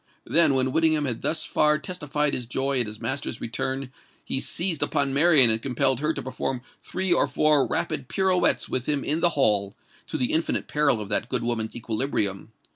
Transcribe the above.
Then, when Whittingham had thus far testified his joy at his master's return, he seized upon Marian and compelled her to perform three or four rapid pirouettes with him in the hall—to the infinite peril of that good woman's equilibrium.